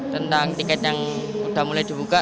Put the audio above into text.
tentang tiket yang sudah mulai dibuka